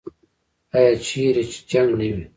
آیا چیرې چې جنګ نه وي؟